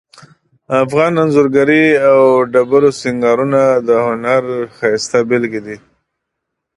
افغان انځورګری او ډبرو سنګارونه د هنر ښایسته بیلګې دي